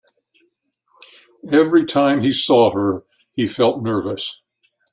Every time he saw her, he felt nervous.